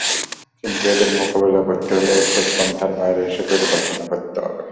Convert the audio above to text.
কিন্তু এদের মোকাবিলা করতে হলে এসব পন্থার বাইরে এসে পরিকল্পনা করতে হবে।